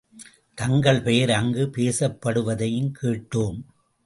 தங்கள் பெயர் அங்கு பேசப்படுவதையும் கேட்டோம்.